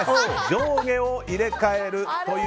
上下を入れ替える。